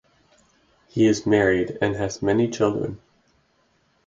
He is married and has many children.